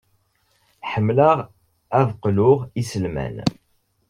Ḥemmleɣ ad d-qluɣ iselman.